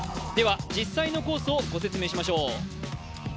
実際のコースをご説明しましょう。